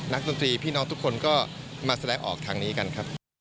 ดนตรีพี่น้องทุกคนก็มาแสดงออกทางนี้กันครับ